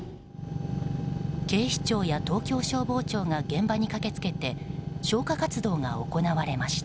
警視庁や東京消防庁が現場に駆け付けて消火活動が行われました。